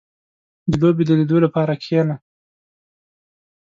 • د لوبې د لیدو لپاره کښېنه.